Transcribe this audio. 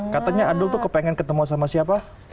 katanya adul tuh kepengen ketemu sama siapa